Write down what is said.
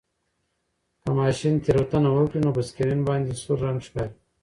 که ماشین تېروتنه وکړي نو په سکرین باندې سور رنګ ښکاري.